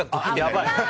やばい。